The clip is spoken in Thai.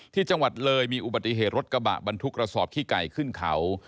ที่จังหวัดเลยมีอุบัติเหตุรถกระบะบรรทุกกระสอบขี้ไก่ขึ้นเขา